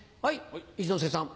一之輔さん。